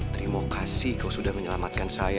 terima kasih kau sudah menyelamatkan saya